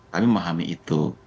kami memahami itu